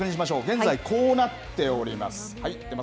現在、こうなっています。